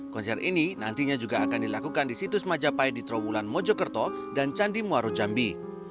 konser ini nantinya juga akan dilakukan di situs majapahit di trawulan mojokerto dan candi muaro jambi